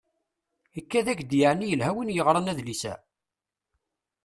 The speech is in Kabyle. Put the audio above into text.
Ikad-ak-d yeεni yelha win yeɣran adlis-a?